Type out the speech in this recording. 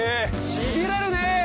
しびれるね！